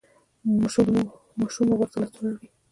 ماشوم مو غوږ ته لاس وړي؟